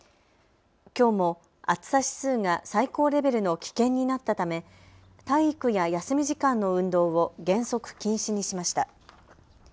きょうも暑さ指数が最高レベルの危険になったため、体育や休み時間の運動を原則禁止にしました。